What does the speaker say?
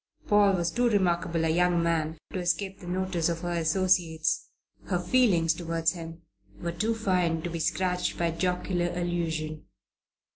Paul was too remarkable a young man to escape the notice of her associates; her feelings towards him were too fine to be scratched by jocular allusion.